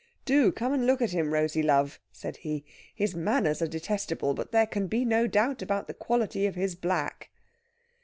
"Do come and look at him, Rosey love," said he. "His manners are detestable, but there can be no doubt about the quality of his black."